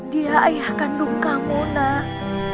dia ayah kandung kamu nak